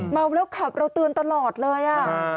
เมาแล้วขับเราเตือนตลอดเลย